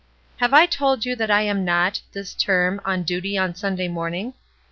"Have I told you that I am not, this term, on duty on Sunday morning?